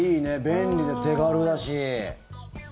便利で手軽だし。